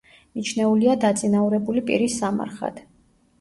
მიჩნეულია დაწინაურებული პირის სამარხად.